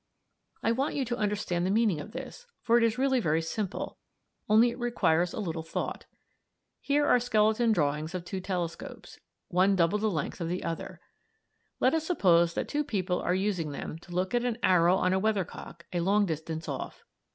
] "I want you to understand the meaning of this, for it is really very simple, only it requires a little thought. Here are skeleton drawings of two telescopes (Fig. 18), one double the length of the other. Let us suppose that two people are using them to look at an arrow on a weathercock a long distance off.